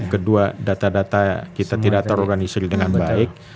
kedua data data kita tidak terorganisir dengan baik